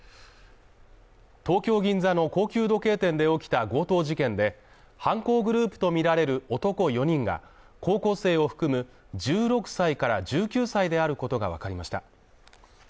東京銀座の高級時計店で起きた強盗事件で、犯行グループとみられる男４人が高校生を含む１６歳から１９歳であることがわかりました。